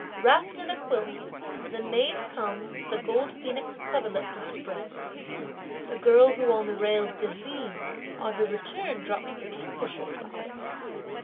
Wrapped in a quilt, the maid comes the gold phoenix coverlet to spread. The girl, who on the rails did lean, on her return drops the kingfisher flowers!